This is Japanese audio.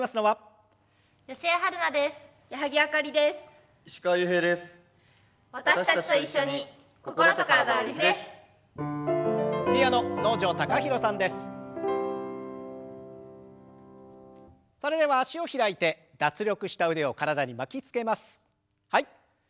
はい。